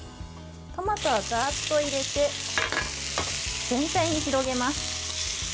トマトはざっと入れて全体に広げます。